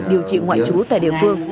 điều trị ngoại trú tại địa phương